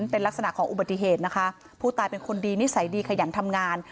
เป็นลักษณะของอุบัติเหตุนะคะผู้ตายเป็นคนดีนิสัยดีขยันทำงาน